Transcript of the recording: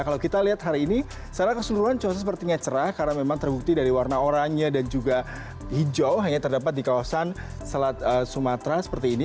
kalau kita lihat hari ini secara keseluruhan cuaca sepertinya cerah karena memang terbukti dari warna oranye dan juga hijau hanya terdapat di kawasan selat sumatra seperti ini